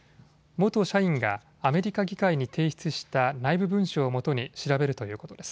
元社員がアメリカ議会に提出した内部文書をもとに調べるということです。